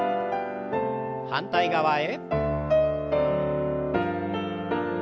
反対側へ。